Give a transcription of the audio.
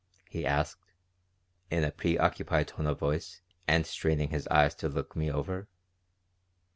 he asked, in a preoccupied tone of voice and straining his eyes to look me over.